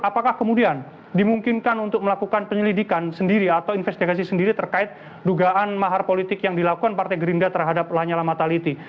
apakah kemudian dimungkinkan untuk melakukan penyelidikan sendiri atau investigasi sendiri terkait dugaan mahar politik yang dilakukan partai gerindra terhadap lanyala mataliti